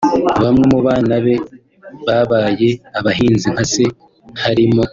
Bamwe mu bana be babaye abahanzi nka se harimo